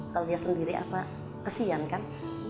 kalau dia sendiri apa kesian kan